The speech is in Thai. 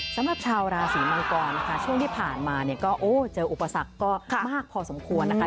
สำหรับชาวราศีมังกรนะคะช่วงที่ผ่านมาเนี่ยก็โอ้เจออุปสรรคก็มากพอสมควรนะคะ